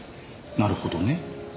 なるほどね。